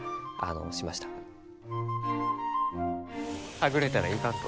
はぐれたらいかんぞ。